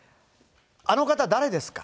あの方、誰ですか？